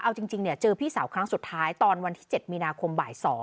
เอาจริงเจอพี่สาวครั้งสุดท้ายตอนวันที่๗มีนาคมบ่าย๒